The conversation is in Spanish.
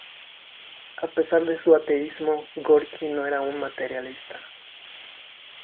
A pesar de su ateísmo, Gorki no era un materialista.